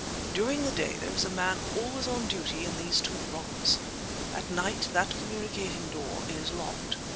During the day there is a man always on duty in these two rooms. At night that communicating door is locked.